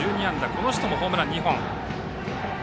この人もホームラン２本。